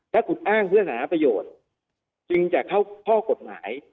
ถ้าคุณอ้างเพื่อหาประโยชน์จึงจะเข้าข้อกฎหมาย